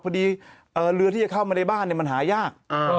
พอดีเรือที่จะเข้ามาในบ้านมันหายาก